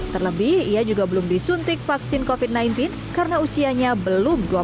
terlebih ia juga belum disuntik vaksin covid sembilan belas karena usianya belum dua puluh tahun